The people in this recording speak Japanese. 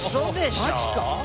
マジか。